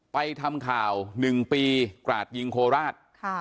ไปทำข่าว๑ปีกราดยิงโคราช